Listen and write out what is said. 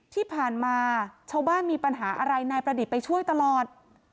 ที่ผ่านมาชาวบ้านมีปัญหาอะไรนายประดิษฐ์ไปช่วยตลอด